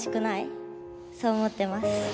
そう思ってます。